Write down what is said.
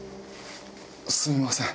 すみません。